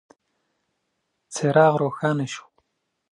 څراغ روښانه شو.